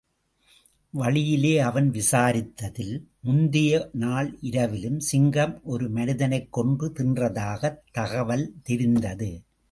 வழியிலே அவன் விசாரித்ததில், முந்திய நாள் இரவிலும் சிங்கம் ஒரு மனிதனைக் கொன்று தின்றதாகத் தகவல் தெரிந்தது.